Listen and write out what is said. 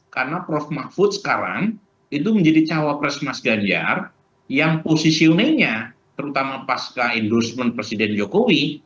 karena prof mahfud sekarang itu menjadi cawapres mas ganjar yang posisionenya terutama pasca endorsement presiden jokowi